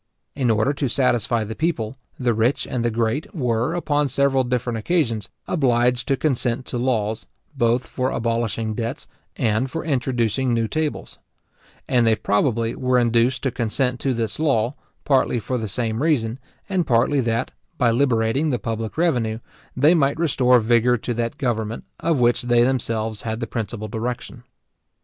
In order to satisfy the people, the rich and the great were, upon several different occasions, obliged to consent to laws, both for abolishing debts, and for introducing new tables; and they probably were induced to consent to this law, partly for the same reason, and partly that, by liberating the public revenue, they might restore vigour to that government, of which they themselves had the principal direction.